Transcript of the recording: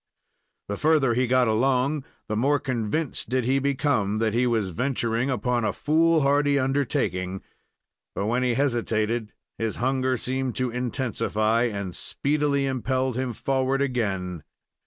The further he got along, the more convinced did he become that he was venturing upon a fool hardy undertaking; but when he hesitated, his hunger seemed to intensify and speedily impelled him forward again.